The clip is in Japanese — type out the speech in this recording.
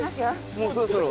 もうそろそろ。